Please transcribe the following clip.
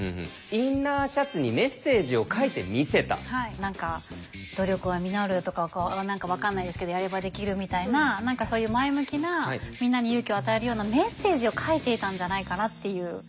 何か「努力は実る」とかこう何か分かんないですけど「やればできる」みたいな何かそういう前向きなみんなに勇気を与えるようなメッセージを書いていたんじゃないかなっていう。